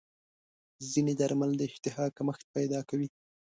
ځینې درمل د اشتها کمښت پیدا کوي.